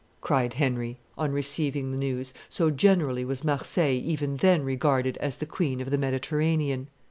cried Henry, on receiving the news, so generally was Marseilles even then regarded as the queen of the Mediterranean.